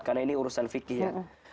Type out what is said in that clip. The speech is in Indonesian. karena ini urusan fikir ya